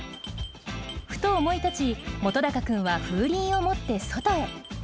ふと思い立ち本君は風鈴を持って外へ。